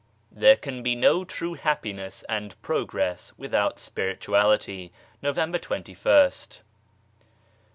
THERE CAN BE NO TRUE HAPPINESS AND PROGRESS WITHOUT SPIRITUALITY November 2ist.